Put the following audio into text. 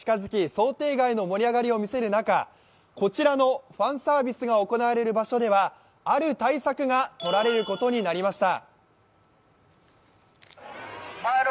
想定外の盛り上がりを見せる中、こちらのファンサービスが行われる場所ではある対策が取られることになりました。